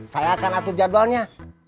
saya akan atur jadwalnya